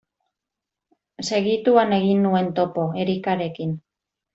Segituan egin nuen topo Erikarekin.